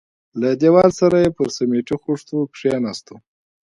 له دېواله سره پر سميټي خښتو کښېناستو.